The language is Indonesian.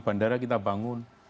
bandara kita bangun